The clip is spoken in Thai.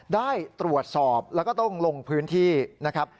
ได้ตรวจสอบแล้วก็ต้องลงพื้นที่นะครับ